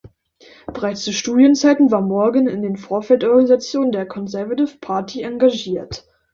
Bereits zu Studienzeiten war Morgan in den Vorfeldorganisationen der Conservative Party engagiert.